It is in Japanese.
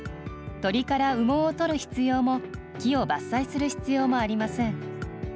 鳥から羽毛をとる必要も木を伐採する必要もありません。